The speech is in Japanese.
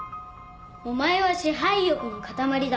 お前は支配欲の塊だ。